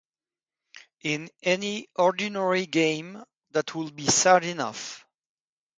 In any ordinary game, that would be sad enough.